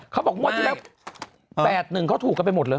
เขาบอกงวดที่แล้ว๘๑เขาถูกกันไปหมดเลย